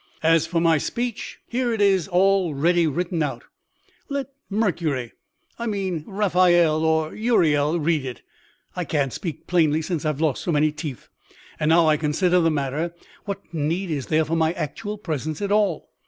As for my speech, here it is all ready written out; let Mercury, I mean Raphael or Uriel, read it; I can't speak plainly since I lost so many teeth. And now I consider the matter, what need is there for my actual presence at all?